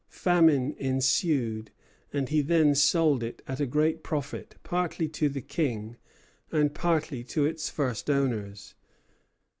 Famine ensued; and he then sold it at a great profit, partly to the King, and partly to its first owners.